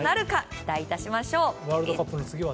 期待いたしましょう。